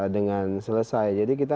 dengan selesai jadi kita